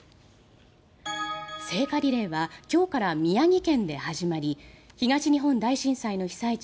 聖火リレーは今日から宮城県で始まり東日本大震災の被災地